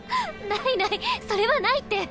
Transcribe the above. ないないそれはないって。